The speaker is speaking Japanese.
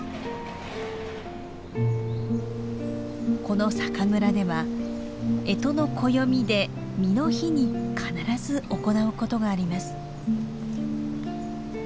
この酒蔵ではえとの暦で巳の日に必ず行うことがあります。